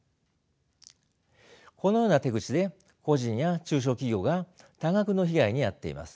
このような手口で個人や中小企業が多額の被害に遭っています。